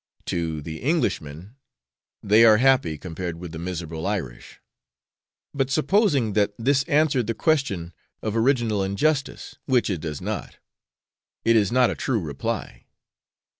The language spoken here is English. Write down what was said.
To the Englishman, 'they are happy compared with the miserable Irish.' But supposing that this answered the question of original injustice, which it does not, it is not a true reply.